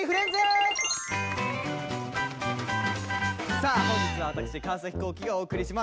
さあ本日は私川皇輝がお送りします。